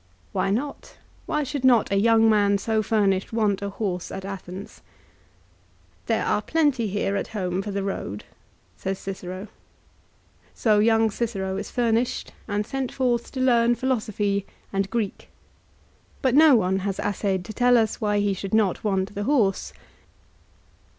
Why not ? Why should not a young man so furnished want a horse at Athens. " There are plenty here at home for the road," says Cicero. So young Cicero is furnished, and sent forth to learn philosophy and Greek. But no one has assayed to tell us why he should not want the horse.